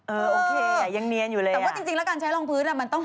เออโอเคยังเนียนอยู่เลยอะแต่ว่าจริงและการใช้รองพื้นอ่ะ